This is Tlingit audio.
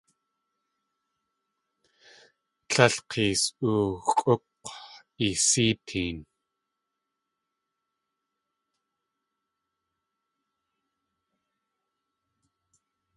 Líl k̲ees.ookʼúk̲ i sée teen!